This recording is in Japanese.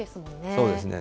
そうですね。